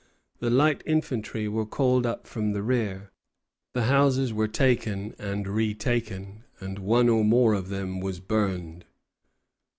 The light infantry were called up from the rear. The houses were taken and retaken, and one or more of them was burned.